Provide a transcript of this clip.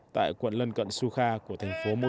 tại quận lân cận sukha của thành phố mosul